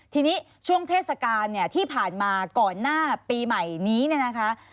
ทีนี้ช่วงเทศกาลเนี่ยที่ผ่านมาก่อนหน้าปีใหม่นี้เนี่ยนะคะ